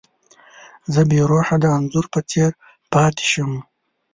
زه بې روحه د انځور په څېر پاتې شم.